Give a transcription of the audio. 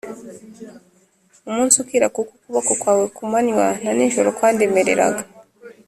umunsi ukira kuko ukuboko kwawe ku manywa na n'ijoro kwandemereraga,